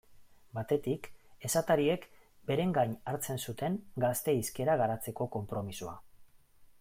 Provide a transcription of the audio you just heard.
Batetik, esatariek beren gain hartzen zuten gazte hizkera garatzeko konpromisoa.